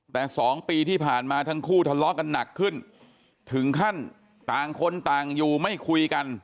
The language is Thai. แต่๒ปีที่ผ่านมาทั้งคู่ทะเลาะกันหนักขึ้นถึงขั้นต่างคนต่างอยู่ไม่คุยกัน